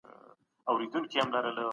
مجاهدین د حق دپاره تل ویښ وه.